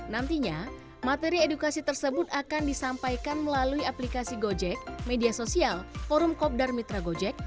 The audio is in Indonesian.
nantinya materi edukasi tersebut akan disampaikan melalui aplikasi gojek media sosial forum kopdar mitra gojek